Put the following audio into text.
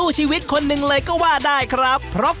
ขอบคุณมากด้วยค่ะพี่ทุกท่านเองนะคะขอบคุณมากด้วยค่ะพี่ทุกท่านเองนะคะ